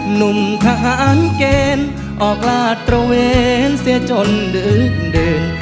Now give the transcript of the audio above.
หนุ่มทหารเกณฑ์ออกลาดตระเวนเสียจนดื่น